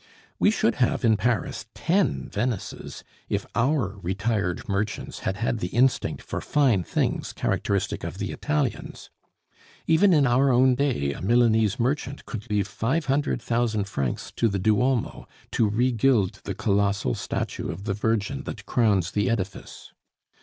We should have in Paris ten Venices if our retired merchants had had the instinct for fine things characteristic of the Italians. Even in our own day a Milanese merchant could leave five hundred thousand francs to the Duomo, to regild the colossal statue of the Virgin that crowns the edifice.